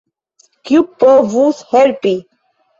Kiu povus helpi?